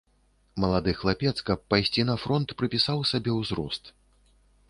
Малады хлапец, каб пайсці на фронт, прыпісаў сабе ўзрост.